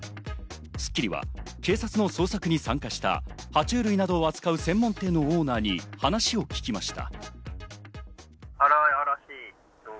『スッキリ』は警察の捜索に参加した爬虫類などを扱う専門店のオーナーに話を聞きました。